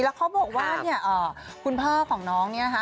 แล้วเขาบอกว่าเนี่ยคุณพ่อของน้องเนี่ยนะคะ